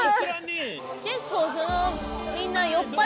結構。